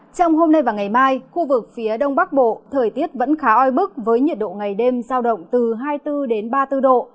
trong hôm nay và ngày mai khu vực phía đông bắc bộ thời tiết vẫn khá oi bức với nhiệt độ ngày đêm giao động từ hai mươi bốn ba mươi bốn độ